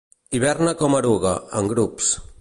Hiberna com a eruga, en grups.